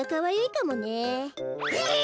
え？